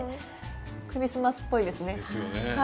クリスマスっぽいですね。ですよね。